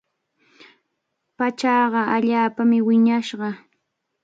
Pachanqa allaapami wiñashqa.